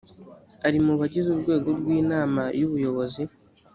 ari mu bagize urwego rw ‘inama y ‘ubuyobozi.